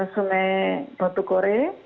sungai batu kore